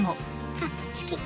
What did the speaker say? あっ好き！